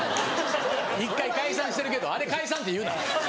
１回解散してるけどあれ解散って言うな。